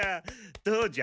どうじゃ？